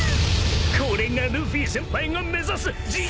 ［これがルフィ先輩が目指す自由の姿！］